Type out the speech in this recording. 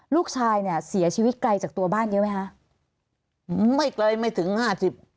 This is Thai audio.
ลูกชายเนี่ยเสียชีวิตไกลจากตัวบ้านเยอะไหมคะไม่ไกลไม่ถึงห้าสิบ